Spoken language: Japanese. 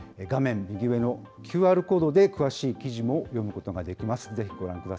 画面右上のＱＲコードで詳しい記事も読むことができます。